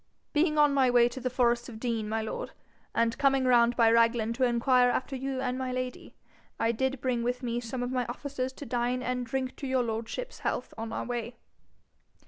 'Being on my way to the forest of Dean, my lord, and coming round by Raglan to inquire after you and my lady, I did bring with me some of my officers to dine and drink your lordship's health on our way.'